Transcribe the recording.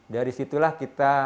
dari situlah kita mendapatkan